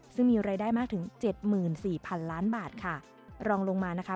ซึ่งมีรายได้มากถึงเจ็ดหมื่นสี่พันล้านบาทค่ะรองลงมานะคะ